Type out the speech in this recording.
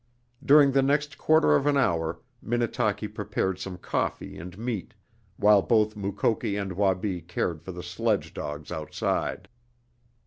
During the next quarter of an hour Minnetaki prepared some coffee and meat, while both Mukoki and Wabi cared for the sledge dogs outside.